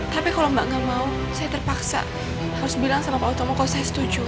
tapi kalau mbak gak mau saya terpaksa harus bilang sama pak otomo kalau saya setuju